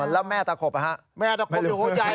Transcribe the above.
แล้วแม่ตะขบแม่ตะขบอยู่หัวใจ